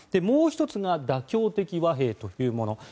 もう１つが妥協的和平というもの。